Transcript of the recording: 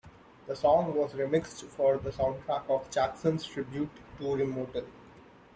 The song was remixed for the soundtrack of Jackson's tribute tour Immortal.